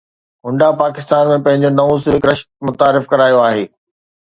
Honda Pakistan ۾ پنهنجو نئون Civic rush متعارف ڪرايو آهي